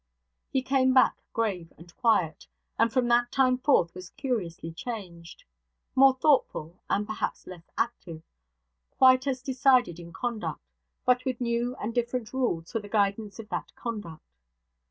He came back grave and quiet; and from that time forth was curiously changed. More thoughtful, and perhaps less active; quite as decided in conduct, but with new and different rules for the guidance of that conduct.